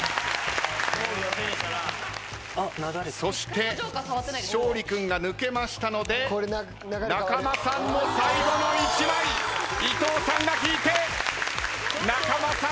そして勝利君が抜けましたので仲間さんの最後の１枚伊藤さんが引いて仲間さん